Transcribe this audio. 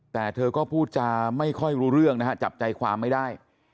แต่เธอก็พูดจาไม่ค่อยรู้เรื่องนะฮะจับใจความไม่ได้